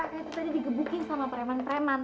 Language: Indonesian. kayak itu tadi digebukin sama preman preman